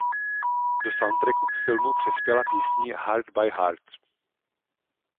Do soundtracku k filmu přispěla písní Heart by Heart.